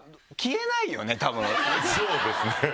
そうですね。